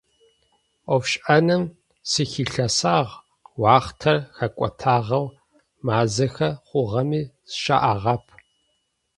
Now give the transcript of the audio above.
Ӏофшӏэным сыхилъэсагъ, уахътэр хэкӏотагъэу мэзахэ хъугъэми сшӏагъэп.